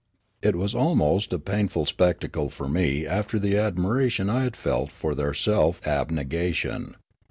It was almost a painful spectacle for me after the admiration I had felt for their self abnegation.